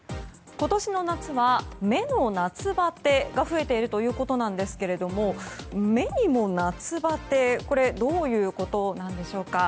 今年の夏は目の夏バテが増えているということなんですけれども目にも夏バテどういうことなんでしょうか。